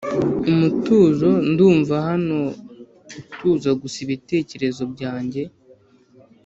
umutuzo ndumva hano utuza gusa ibitekerezo byanjye.